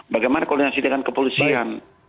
bagaimana koordinasi dengan kepolisian